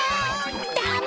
ダメ！